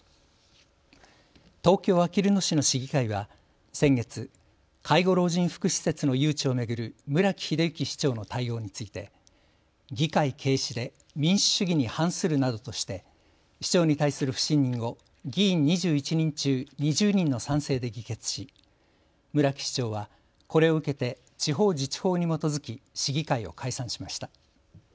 東京あきる野市の市議会は先月、介護老人福祉施設の誘致を巡る村木英幸市長の対応について議会軽視で民主主義に反するなどとして市長に対する不信任を議員２１人中２０人の賛成で議決し、村木市長はこれを受けて地方自治法に基づき市議会を解散しました。